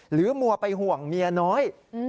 มัวไปห่วงเมียน้อย